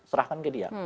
serahkan ke dia